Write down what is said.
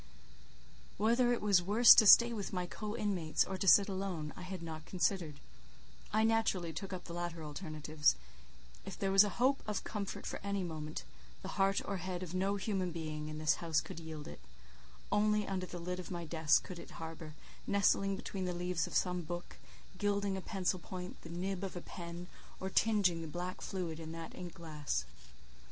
Whether it was worse to stay with my co inmates, or to sit alone, I had not considered; I naturally took up the latter alternative; if there was a hope of comfort for any moment, the heart or head of no human being in this house could yield it; only under the lid of my desk could it harbour, nestling between the leaves of some book, gilding a pencil point, the nib of a pen, or tinging the black fluid in that ink glass.